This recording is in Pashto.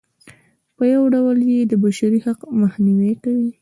په یوه ډول یې د بشري حق مخنیوی کوي.